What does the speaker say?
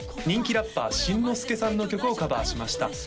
人気ラッパー心之助さんの曲をカバーしました